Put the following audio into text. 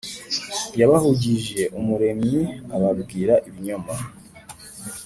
yabahugije umuremyi, ababwira ibinyoma.